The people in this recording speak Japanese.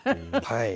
はい。